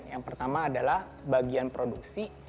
yang pertama adalah bagian produksi